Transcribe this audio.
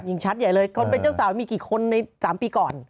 ชัดใหญ่เลยคนเป็นเจ้าสาวมีกี่คนใน๓ปีก่อน